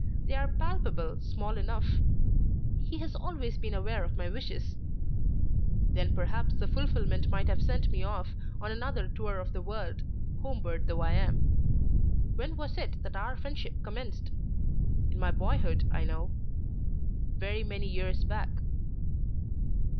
They are palpable, small enough. He has always been aware of my wishes: when perhaps the fulfilment might have sent me off on another tour of the world, homebird though I am. When was it that our friendship commenced? In my boyhood, I know. Very many years back."